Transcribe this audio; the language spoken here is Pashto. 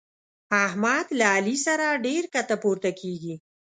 احمد له علي سره ډېره کښته پورته کېږي.